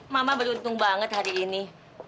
mama beruntung banget hari ini